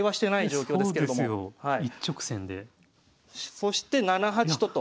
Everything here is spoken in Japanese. そして７八と金と。